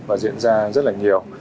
và diễn ra rất là nhiều